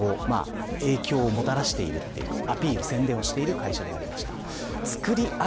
いろんな所に影響をもたらしているアピール、宣伝をしている会社でありました。